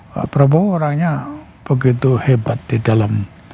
pak prabowo orangnya begitu hebat di dalam